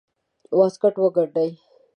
واسکټ وګنډي.